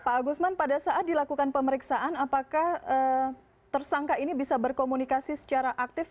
pak agusman pada saat dilakukan pemeriksaan apakah tersangka ini bisa berkomunikasi secara aktif